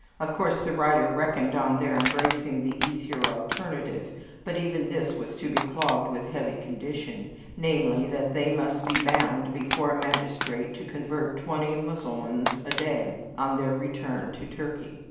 Of course the writer reckoned on their embracing the easier alternative, but even this was to be clogged with a heavy condition, namely, that they must be bound before a magistrate to convert twenty Mussulmans a day, on their return to Turkey.